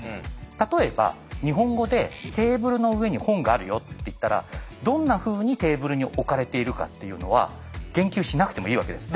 例えば日本語で「テーブルの上に本があるよ」って言ったらどんなふうにテーブルに置かれているかっていうのは言及しなくてもいいわけです。